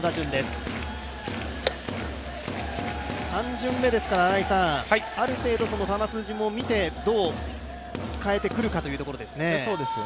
３巡目ですからある程度球筋も見てどう変えてくるかというところですよね。